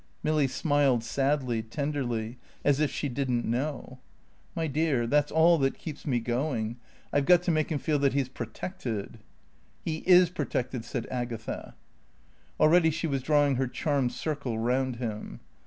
Milly smiled sadly, tenderly. (As if she didn't know!) "My dear, that's all that keeps me going. I've got to make him feel that he's protected." "He is protected," said Agatha. Already she was drawing her charmed circle round him.